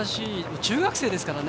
中学生ですからね。